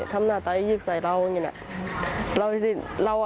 ทำหน้าตาไอฮยึกสายเรา